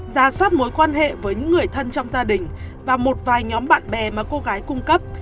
ra soát mối quan hệ với những người thân trong gia đình và một vài nhóm bạn bè mà cô gái cung cấp